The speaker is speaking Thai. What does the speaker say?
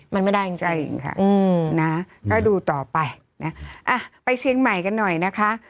มันไม่ได้จริงใจอีกค่ะนะก็ดูต่อไปนะอ่ะไปเชียงใหม่กันหน่อยนะคะ